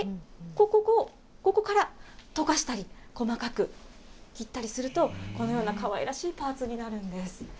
ここから溶かしたり、細かく切ったりすると、このようなかわいらしいパーツになるんです。